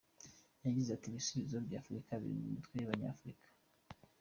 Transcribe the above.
Yagize ati : “Ibisubizo by’Afurika biri mu mitwe y’Abanyafurika”.